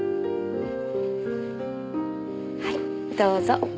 はいどうぞ。